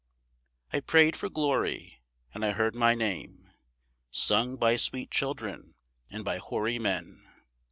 I prayed for glory, and I heard my name Sung by sweet children and by hoary men.